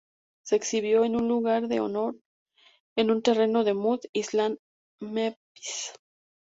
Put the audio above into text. Se exhibió en un lugar de honor en un terreno de Mud Island, Memphis.